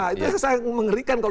itu yang saya mengerikan